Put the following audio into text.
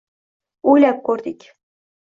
O‘ylab ko‘rdik.